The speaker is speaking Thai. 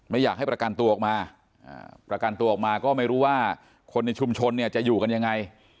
ไม่อยากให้ประกันตัวออกมาประกันตัวออกมาก็ไม่รู้ว่าคนในชุมชนเนี่ยจะอยู่กันยังไง